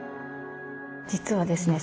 実はですね